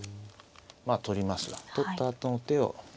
まあ取りますが取ったあとの手を。